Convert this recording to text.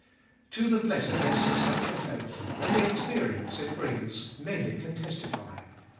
To the blessedness of such a faith, and the experi ence it brings, many can testify.